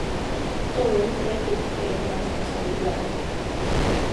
Todo un reto e unha responsabilidade.